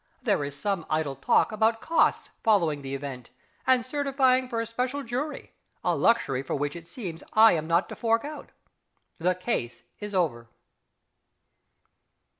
There is some idle talk about costs following the event, and certifying for a special jury a luxury for which it seems I am not to fork out. The case is over.